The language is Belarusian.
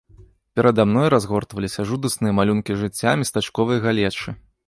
Перада мною разгортваліся жудасныя малюнкі жыцця местачковай галечы.